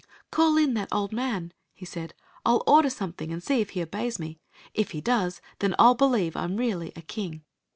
" Call in that old man," he said. " I '11 order some thing, and see if he obeys me. If he does, then I '11 believe I *m really a king."